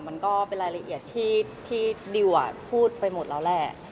มันก็เป็นรายละเอียดที่ดิวพูดไปหมดแล้วแหละ